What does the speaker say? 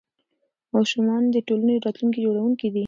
ماشومان د ټولنې راتلونکي جوړونکي دي.